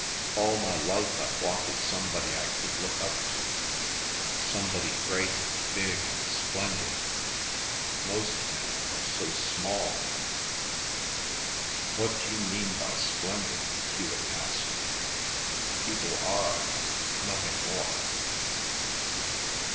All my life I've wanted somebody I could look up to, somebody great and big and splendid. Most men are so small." "What d'you mean by splendid?" Hewet asked. "People are—nothing more."